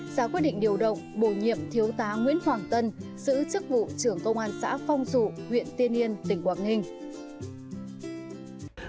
xã quyết định điều động bổ nhiệm thiêu tá nguyễn hoàng tân sự chức vụ trưởng công an xã phong rụ huyện tiên yên tỉnh quảng ninh